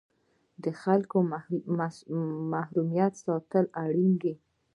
د خلکو محرمیت ساتل اړین دي؟